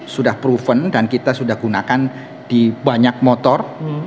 sudah proven dan kita sudah gunakan di banyak motor